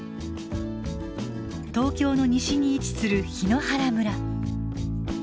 東京の西に位置する檜原村。